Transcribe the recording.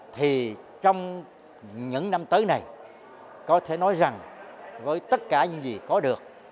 thì trong những năm tới này có thể nói rằng với tất cả những gì có được